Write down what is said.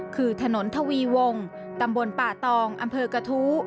คือถนนทวีวงตำบลป่าตองอำเภอกระทู้